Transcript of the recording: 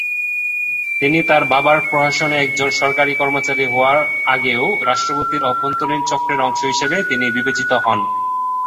তিনি তার বাবার প্রশাসনে একজন সরকারী কর্মচারী হওয়ার আগেও রাষ্ট্রপতির অভ্যন্তরীণ চক্রের অংশ হিসেবে তিনি বিবেচিত হন।